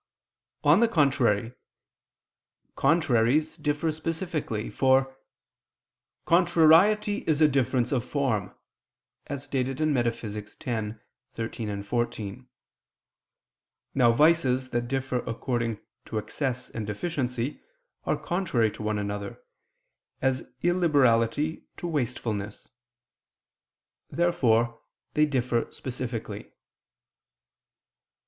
On the contrary, Contraries differ specifically, for "contrariety is a difference of form," as stated in Metaph. x, text. 13, 14. Now vices that differ according to excess and deficiency are contrary to one another, as illiberality to wastefulness. Therefore they differ specifically.